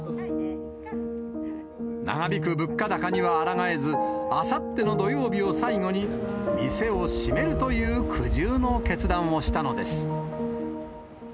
長引く物価高にはあらがえず、あさっての土曜日を最後に店を閉めるという苦渋の決断をしたのです。